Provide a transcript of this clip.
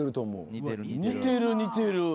似てる似てる。